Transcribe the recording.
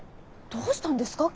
どうしたんですか？